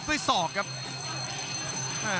คมทุกลูกจริงครับโอ้โห